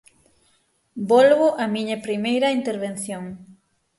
Volvo á miña primeira intervención.